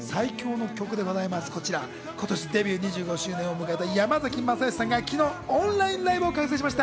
今年デビュー２５周年を迎えた山崎まさよしさんが昨日オンラインライブを開催しました。